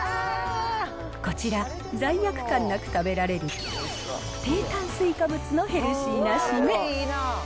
こちら、罪悪感なく食べられる低炭水化物のヘルシーな締め。